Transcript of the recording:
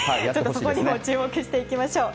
そこにも注目していきましょう。